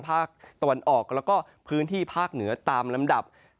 ภาคตะวันออกแล้วก็พื้นที่ภาคเหนือตามลำดับ